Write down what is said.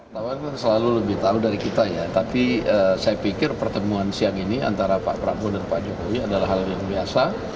saya selalu lebih tahu dari kita ya tapi saya pikir pertemuan siang ini antara pak prabowo dan pak jokowi adalah hal yang biasa